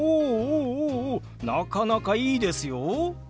おおおなかなかいいですよ。